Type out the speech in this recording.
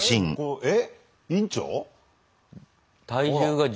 えっ。